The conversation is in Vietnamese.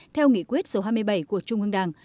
theo nghị quyết số hai mươi bảy của trung ương đảng